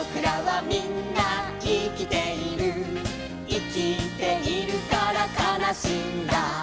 「いきているからかなしいんだ」